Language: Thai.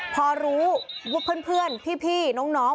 พอรู้ว่าเพื่อนพี่น้อง